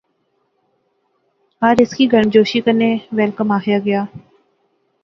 ہر ہیس کی گرمجوشی کنے ویل کم آخیا گیا